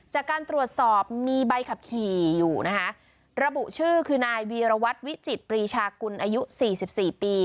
จากการตรวจสอบมีใบขับขี่อยู่นะคะระบุชื่อคือนายวีรวัตรวิจิตปรีชากุลอายุสี่สิบสี่ปี